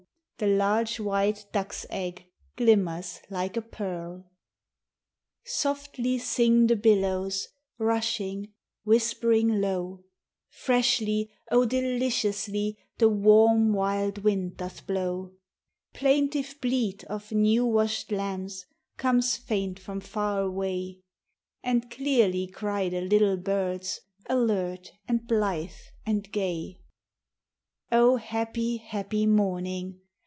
the large white duck's egg glimmers Like a pearl ! Softly sing the billows, rushing, whispering Low; Freshly, oh, deliriously, the warm, wild wind doth blow ! Plaintive bleat of new washed Lambs comes faint from far away; And clearly cry the little birds, alert and blithe and gay. O happy, happy morning!